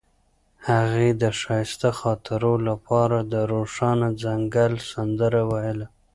هغې د ښایسته خاطرو لپاره د روښانه ځنګل سندره ویله.